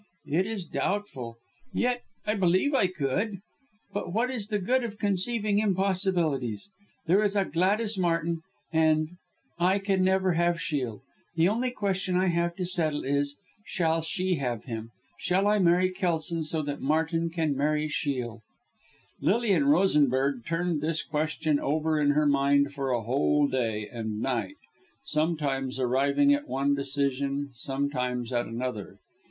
It is doubtful! Yet I believe I could. But what is the good of conceiving impossibilities! There is a Gladys Martin and I can never have Shiel. The only question I have to settle is Shall she have him? Shall I marry Kelson so that Martin can marry Shiel?" Lilian Rosenberg turned this question over in her mind for a whole day and night, sometimes arriving at one decision, sometimes at another.